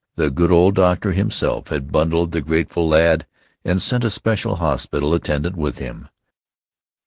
The good old doctor himself had bundled the grateful lad and sent a special hospital attendant with him.